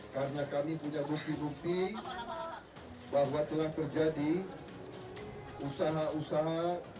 karena kami punya bukti bukti bahwa telah terjadi usaha usaha